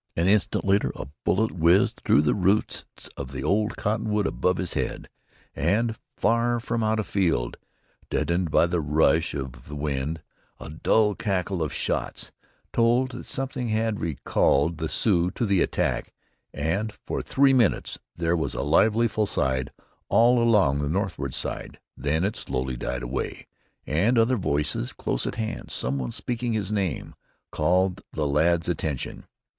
An instant later a bullet whizzed through the roots of the old cottonwood above his head, and from far out afield, deadened by the rush of the wind, a dull crackle of shots told that something had recalled the Sioux to the attack, and for three minutes there was a lively fusillade all along the northward side. Then it slowly died away, and other voices, close at hand, someone speaking his name, called the lad's attention.